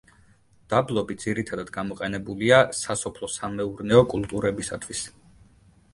დაბლობი ძირითადად გამოყენებულია სასოფლო სამეურნეო კულტურებისათვის.